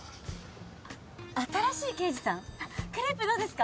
あ新しい刑事さん？あっクレープどうですか？